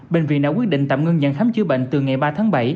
bệnh viện đã quyết định tạm ngưng dạng khám chữa bệnh từ ngày ba tháng bảy